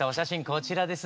こちらです